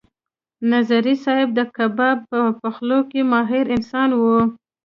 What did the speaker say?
نظري صیب د کباب په پخولو کې ماهر انسان و.